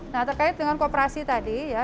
nah terkait dengan kooperasi tadi ya